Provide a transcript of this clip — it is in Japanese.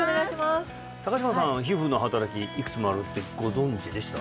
高島さんは皮膚の働きいくつもあるってご存じでした？